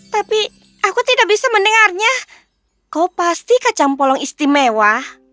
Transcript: tapi aku tidak bisa mendengarnya kau pasti kacang polong istimewa